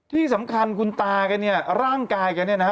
ที่สำคัญคุณตาแกเนี่ยร่างกายแกเนี่ยนะฮะ